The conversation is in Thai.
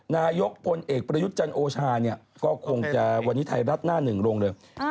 นายกพลเอกประยุทธ์จันทร์โอชาเนี่ยก็คงจะวันนี้ไทยรัฐหน้าหนึ่งลงเลย